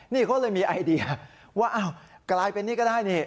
นี่เขาเลยมีไอเดียว่าอ้าวกลายเป็นนี่ก็ได้นี่